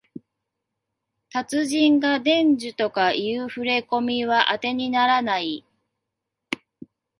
達人が伝授とかいうふれこみはあてにならない